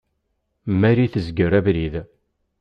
Marie tezger abrid.